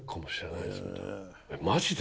「マジで！？」